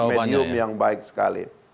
medium yang baik sekali jawabannya ya